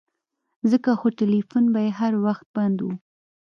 ځکه خو ټيلفون به يې هر وخت بند و.